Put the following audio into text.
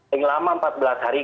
paling lama empat belas hari